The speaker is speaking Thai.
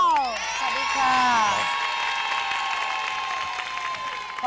สวัสดีค่ะ